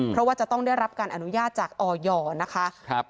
เพราะว่าจะต้องได้รับการอนุญาตจากออยนะคะ